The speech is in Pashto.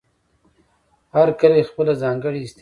هر کلی خپله ځانګړې اصطلاح لري.